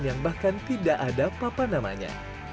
yang bahkan tidak ada apa apa namanya